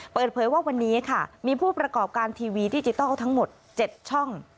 เปิดเผยว่าวันนี้ค่ะมีผู้ประกอบการทีวีดิจิทัลทั้งหมด๗ช่อง